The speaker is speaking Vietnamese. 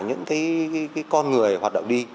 những cái con người hoạt động đi